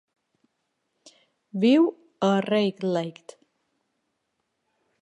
Viu a Rayleigh.